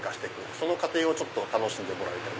その過程を楽しんでもらいたい。